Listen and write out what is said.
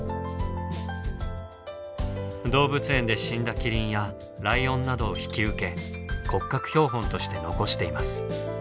動物園で死んだキリンやライオンなどを引き受け骨格標本として残しています。